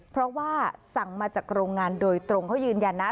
เพราะว่าสั่งมาจากโรงงานโดยตรงเขายืนยันนะ